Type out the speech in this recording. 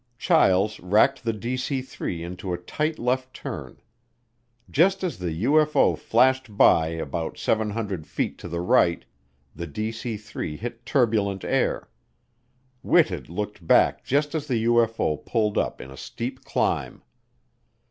Chiles racked the DC 3 into a tight left turn. Just as the UFO flashed by about 700 feet to the right, the DC 3 hit turbulent air. Whitted looked back just as the UFO pulled up in a steep climb.